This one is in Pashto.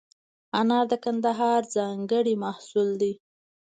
انار د کندهار ځانګړی محصول دی.